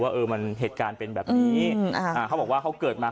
เออมันเหตุการณ์เป็นแบบนี้เขาบอกว่าเขาเกิดมา